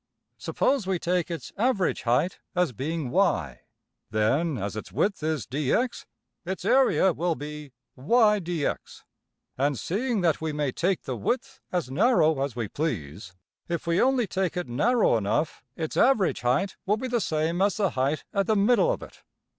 Suppose we take its \emph{average} height as being~$y$; then, as its width is~$dx$, its area will be~$y\, dx$. And seeing that we may take the width as narrow as we please, if we only take it narrow enough its average height will be the same as the height at the middle of it.